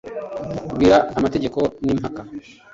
Bwira amategeko ni impaka: